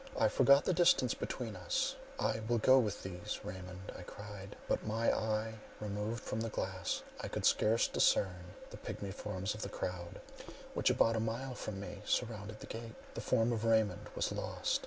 I forgot the distance between us: "I will go with thee, Raymond!" I cried; but, my eye removed from the glass, I could scarce discern the pigmy forms of the crowd, which about a mile from me surrounded the gate; the form of Raymond was lost.